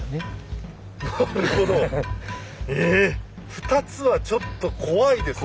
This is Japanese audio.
２つはちょっと怖いですね。